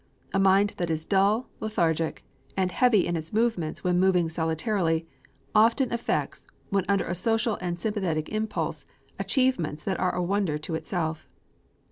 A mind that is dull, lethargic, and heavy in its movements when moving solitarily, often effects, when under a social and sympathetic impulse, achievements that are a wonder to itself.